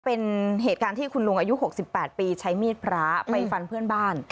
เป็นเหตุการณ์ที่คุณลุงอายุ๖๘ปีใช้มีดพระไปฟันเพื่อนบ้าน